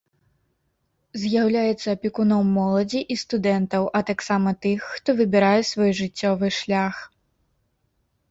З'яўляецца апекуном моладзі і студэнтаў, а таксама тых, хто выбірае свой жыццёвы шлях.